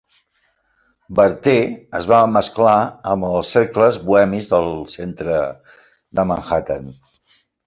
Barthé es va mesclar amb els cercles bohemis del centre de Manhattan.